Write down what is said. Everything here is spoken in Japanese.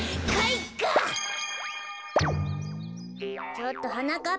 ちょっとはなかっ